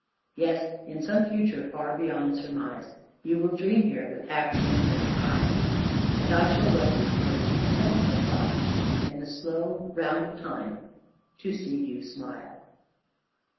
Yes, in some future far beyond surmise You will dream here with half remembering eyes, And I shall write these words, content awhile In the slow round of time to see you smile.